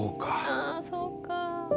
ああそうか。